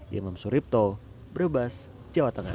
yemem suripto brebes jawa tengah